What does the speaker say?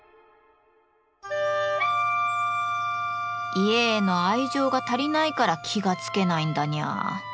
家への愛情が足りないから気が付けないんだニャー。